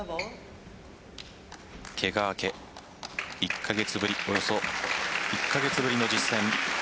けが明け１カ月ぶり、およそ１カ月ぶりの実戦。